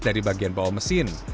dari bagian bawah mesin